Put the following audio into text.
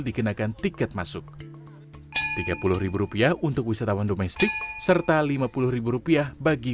dikenakan tiket masuk tiga puluh rupiah untuk wisatawan domestik serta lima puluh rupiah bagi